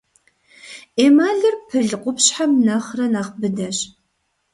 Эмалыр пыл къупщхьэм нэхърэ нэхъ быдэщ.